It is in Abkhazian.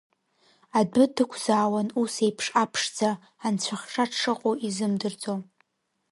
Адәы дықәзаауан усеиԥш аԥшӡа, анцәахша дшыҟоу изымдырӡо.